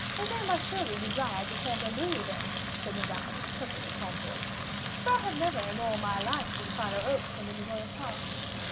"There must surely be Dryads at Fontainebleau, then," said Madame, in a perfectly calm voice; "for I have never, in all my life, seen finer oaks than in the royal park."